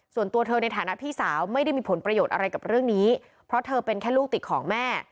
ส่วนตัวเธอในฐานะพี่สาวไม่ได้มีผลประโยชน์อะไรกับเรื่องนี้เพราะเธอเป็นแค่ลูกติดของแม่